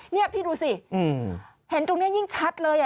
นี่พี่ดูสิเห็นตรงนี้ยิ่งชัดเลย